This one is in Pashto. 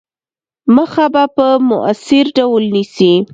مخه به په موثِر ډول نیسي.